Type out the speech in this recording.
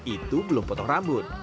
itu belum potong rambut